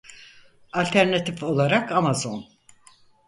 Alternatif olarak Amazon.